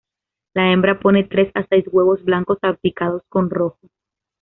La hembra pone tres a seis huevos blanco, salpicados con rojo.